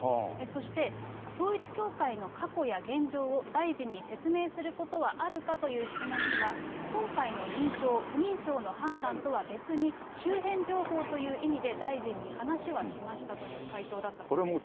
そして、統一教会の過去や現状を、大臣に説明することはあるかという質問には、今回の認証・不認証の判断とは別に、周辺情報という意味で、大臣に話はしましたという回答だったそうです。